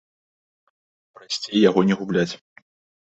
Прасцей яго не губляць.